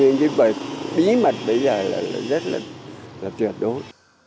và bí mật bây giờ là rất là truyền đối